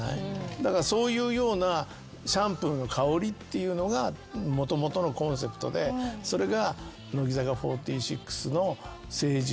だからそういうようなシャンプーの香りっていうのがもともとのコンセプトでそれが。